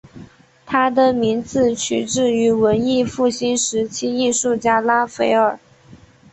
他的名字取自于文艺复兴时期艺术家拉斐尔。